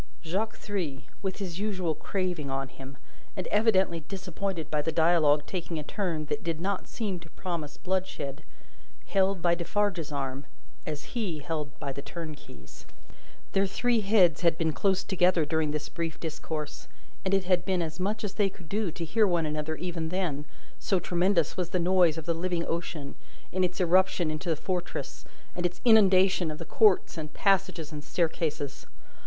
Jacques Three, with his usual craving on him, and evidently disappointed by the dialogue taking a turn that did not seem to promise bloodshed, held by Defarge's arm as he held by the turnkey's. Their three heads had been close together during this brief discourse, and it had been as much as they could do to hear one another, even then: so tremendous was the noise of the living ocean, in its irruption into the Fortress, and its inundation of the courts and passages and staircases.